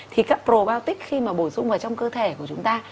thì các protec khi mà bổ sung vào trong cơ thể của chúng ta